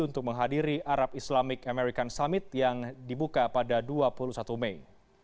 untuk menghadiri arab islamic american summit yang dibuka pada dua puluh satu mei